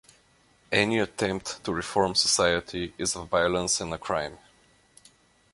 Any attempt to reform society is a violence and a crime.